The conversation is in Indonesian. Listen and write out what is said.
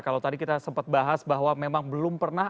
kalau tadi kita sempat bahas bahwa memang belum pernah